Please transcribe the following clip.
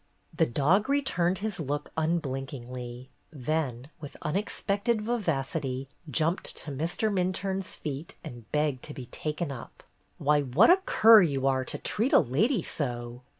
The dog returned his look unblinkingly, then, with unexpected vivacity, jumped to Mr. Minturne's feet and begged to be taken up. "Why, what a cur you are to treat a lady so